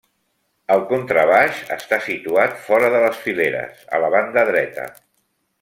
El contrabaix està situat fora de les fileres, a la banda dreta.